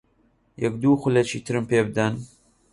یەک دوو خولەکی ترم پێ بدەن.